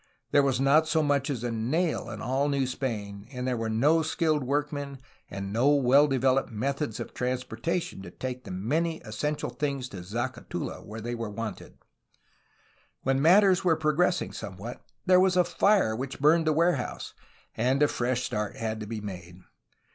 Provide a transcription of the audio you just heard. There was not so much as a nail in all New Spain, and there were no skilled work men and no well developed methods of transportation to take the many essential things to Zacatula where they were wanted. When matters were progressing somewhat, there was a fire which burned the warehouse, and a fresh start had to be made.